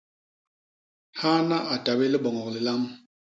Haana a ta bé liboñok lilam.